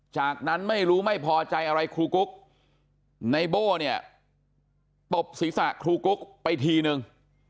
จากนั้นไม่รู้ไม่พอใจอะไรครูกุ๊กไนโบ้เนี่ยตบศีรษะครูกุ๊กไปทีนึง